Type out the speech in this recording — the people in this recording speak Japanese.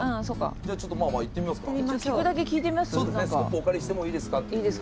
スコップお借りしてもいいですかって。